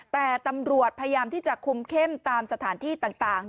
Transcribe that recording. แต่ตำรวจพยายามที่จะคุมเข้มตามสถานที่ต่าง